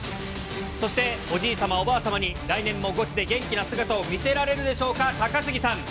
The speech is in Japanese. そしておじいさま、おばあさまに、来年もゴチで元気な姿を見せられるでしょうか、高杉さん。